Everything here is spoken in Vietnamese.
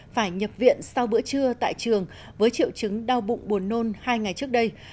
phải nhập viện sau bữa trưa tại trường với triệu chứng đau bụng buồn nôn hai ngày trước đây